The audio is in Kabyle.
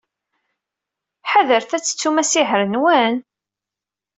Ḥadret ad tettum asihaṛ-nwen?